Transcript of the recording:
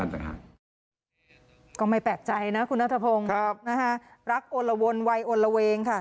นะฮะรักโอละวนวัยโอละเวงค่ะ